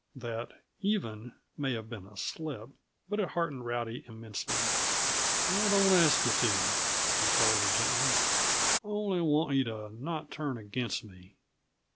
That "even" may have been a slip, but it heartened Rowdy immensely. "I don't ask you to," he told her gently. "I only want you to not turn against me."